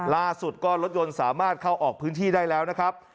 ล่าสุดก็รถยนต์สามารถเข้าออกพื้นที่ได้แล้วนะครับ